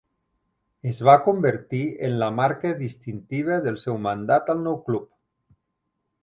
Es va convertir en la marca distintiva del seu mandat al nou club.